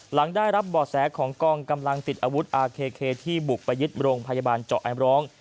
หลังได้รับบ่อแสของกองกำลังติดอาวุธอาเคที่บุกไปยึดโรงพยาบาลเจาะแอมร้อง